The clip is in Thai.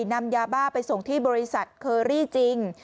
นำยาบ้าไปส่งที่บริษัทเคอรี่จริง